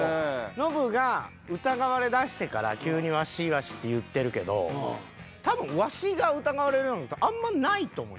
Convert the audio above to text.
ノブが疑われだしてから急にワシワシって言ってるけど多分ワシが疑われるような事あんまりないと思う。